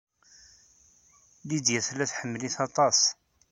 Lydia tella tḥemmel-it aṭas.